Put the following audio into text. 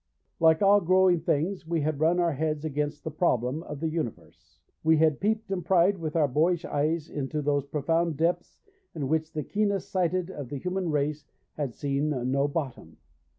Like all growing things, we had run our heads against the problem of the universe. We had peeped and pryed with our boyish eyes into those profound depths in which the keenest sighted of the human race had seen no bottom.